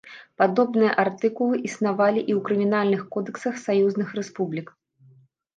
Падобныя артыкулы існавалі і ў крымінальных кодэксах саюзных рэспублік.